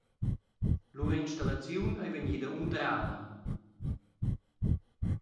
Lur installaziun ei vegnida undrada.